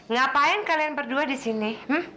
ngapain kalian berdua di sini